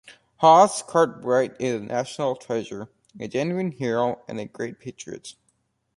Hoss Cartwright is a national treasure, a genuine hero and a great patriot.